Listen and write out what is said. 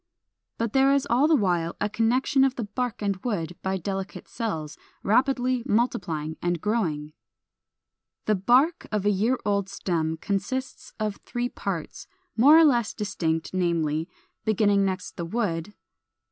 But there is all the while a connection of the bark and the wood by delicate cells, rapidly multiplying and growing. 431. =The Bark= of a year old stem consists of three parts, more or less distinct, namely, beginning next the wood, 1.